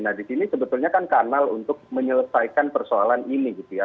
nah di sini sebetulnya kan kanal untuk menyelesaikan persoalan ini gitu ya